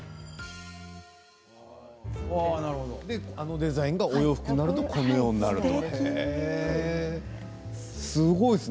あのデザインがお洋服になるとこのようになると。